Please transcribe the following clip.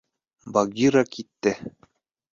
Багира китте.